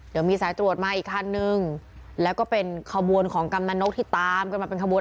เดี๋ยวมีสายตรวจมาอีกคันนึงแล้วก็เป็นขบวนของกำนันนกที่ตามกันมาเป็นขบวน